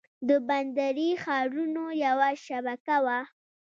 د بندري ښارونو یوه شبکه وه